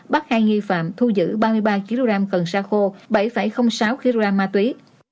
bắt hai nghi phạm thu giữ ba mươi ba kg cần sa khô bảy sáu kg ma túy